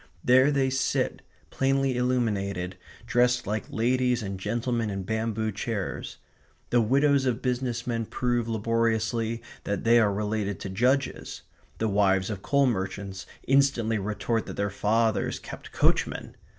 There they sit, plainly illuminated, dressed like ladies and gentlemen, in bamboo chairs. The widows of business men prove laboriously that they are related to judges. The wives of coal merchants instantly retort that their fathers kept coachmen.